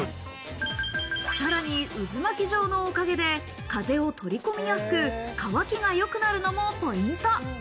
さらに渦巻き状のおかげで、風を取り込みやすく、乾きが良くなるのもポイント。